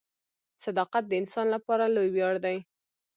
• صداقت د انسان لپاره لوی ویاړ دی.